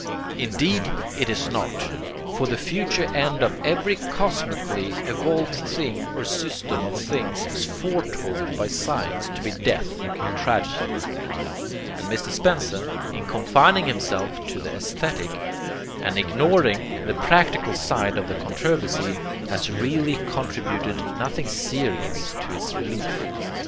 Indeed it is not, for the future end of every cosmically evolved thing or system of things is foretold by science to be death and tragedy; and Mr. Spencer, in confining himself to the aesthetic and ignoring the practical side of the controversy, has really contributed nothing serious to its relief.